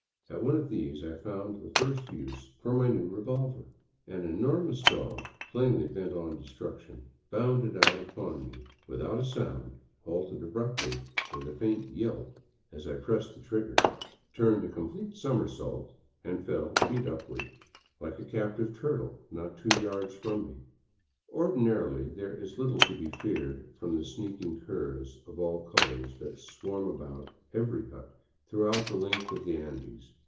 At one of these I found the first use for my new revolver. An enormous dog, plainly bent on destruction, bounded out upon me without a sound, halted abruptly with a faint yelp as I pressed 173 VAGABONDING DOWN THE ANDES the trigger, turned a complete somersault, and fell feet upward, like a captive turtle, not two yards from me. Ordinarily there is little to be feared from the sneaking curs of all colors that swarm about every hut throughout the length of the Andes.